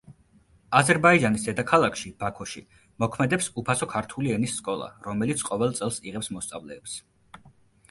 აზერბაიჯანის დედაქალაქში, ბაქოში მოქმედებს უფასო ქართული ენის სკოლა, რომელიც ყოველ წელს იღებს მოსწავლეებს.